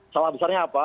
salah besarnya apa